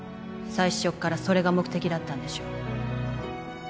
最初っからそれが目的だったんでしょ？